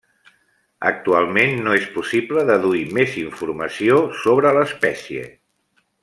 Actualment no és possible deduir més informació sobre l'espècie.